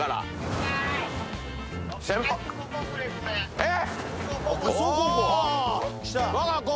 えっ？